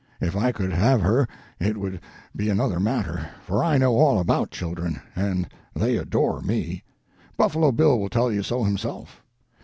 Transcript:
If I could have her it would be another matter, for I know all about children, and they adore me. Buffalo Bill will tell you so himself.